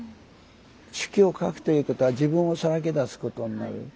手記を書くということは自分をさらけ出すことになる。